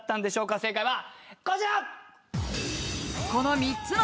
正解はこちら！